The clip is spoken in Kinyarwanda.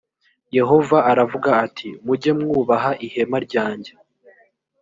yehova aravuga ati mujye mwubaha ihema ryange